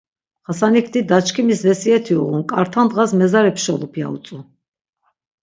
Xasanikti; ̆Daçkimis vesiyeti uğun, k̆arta ndğas mezari pşolup” ya utzu.